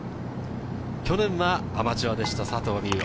去年はアマチュアでした、佐藤心結。